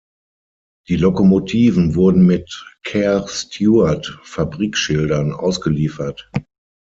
Die Lokomotiven wurden mit Kerr-Stuart-Fabrikschildern ausgeliefert.